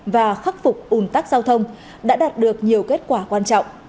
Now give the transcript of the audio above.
và khắc phục ủn tắc giao thông đã đạt được nhiều kết quả quan trọng